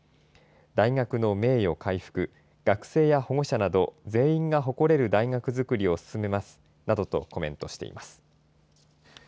大学の名誉回復、学生や保護者など、全員が誇れる大学づくりを進めますなどとコメントしています。